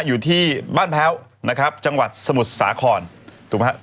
อยู่ที่บ้านแพ้วนะครับจังหวัดสมุทรสาครถูกไหมฮะ